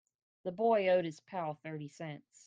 The boy owed his pal thirty cents.